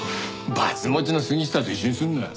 バツ持ちの杉下と一緒にすんなよ。